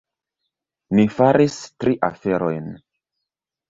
Ni faris tri aferojn.